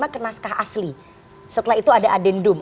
ke naskah asli setelah itu ada adendum